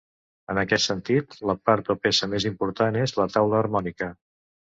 En aquest sentit, la part o peça més important és la taula harmònica.